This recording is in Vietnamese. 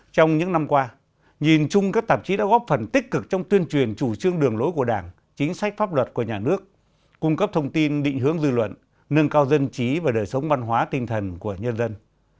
trong những năm qua nhìn chung các tạp chí đã góp phần tích cực trong tuyên truyền chủ trương đường lối của đảng chính sách pháp luật của nhà nước cung cấp thông tin định hướng dư luận nâng cao dân trí và đời sống văn hóa tinh thần của nhân dân